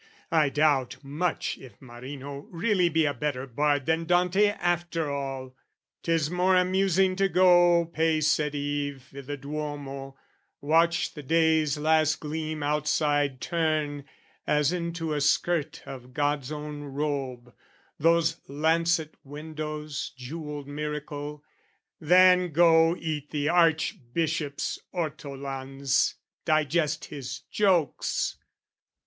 "I doubt much if Marino really be "A better bard than Dante after all. "'Tis more amusing to go pace at eve "I' the Duomo, watch the day's last gleam outside "Turn, as into a skirt of God's own robe, "Those lancet windows' jewelled miracle, "Than go eat the Archbishop's ortolans, "Digest his jokes.